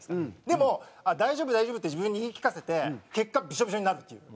でもあっ大丈夫大丈夫って自分に言い聞かせて結果ビショビショになるっていう。